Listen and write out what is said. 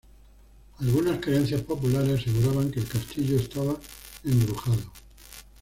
Algunas creencias populares aseguraban que el castillo estaba embrujado.